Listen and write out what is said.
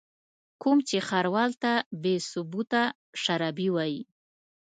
کوم چې ښاروال ته بې ثبوته شرابي وايي.